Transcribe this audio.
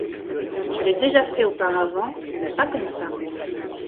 Je l'ai déjà fait auparavant, mais pas comme ça.